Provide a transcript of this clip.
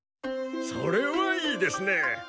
それはいいですね。